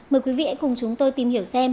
mời quý vị cùng chúng tôi tìm hiểu xem